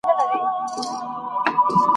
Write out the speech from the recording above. اورېدل باندي لوټونه غیرانونه !.